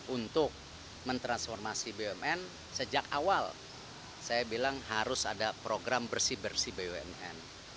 untuk mentransformasi bumn sejak awal saya bilang harus ada program bersih bersih bumn